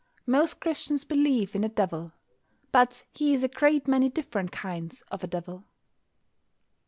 Most Christians believe in a Devil; but he is a great many different kinds of a Devil.